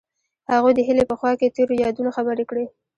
هغوی د هیلې په خوا کې تیرو یادونو خبرې کړې.